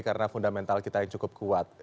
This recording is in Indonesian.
karena fundamental kita yang cukup kuat